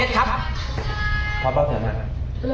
สักครู่ครับลูกชายขอเท็จครับ